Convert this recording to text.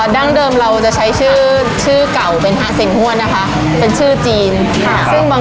ด้านเดิมเราจะใช้ชื่อเก่า